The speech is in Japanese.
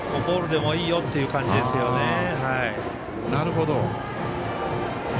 ボールでもいいよという感じですよね。